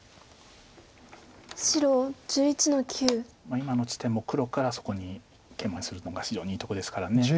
今の地点も黒からそこにケイマにするのが非常にいいところですから。